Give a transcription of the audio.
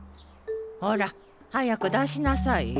ほら早く出しなさいよ。